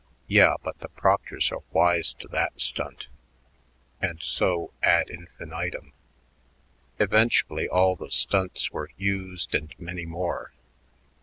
"Yeah, but the proctors are wise to that stunt." And so ad infinitum. Eventually all the "stunts" were used and many more.